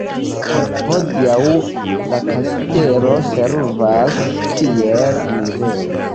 Hodiaŭ la Kastelo servas kiel muzeo.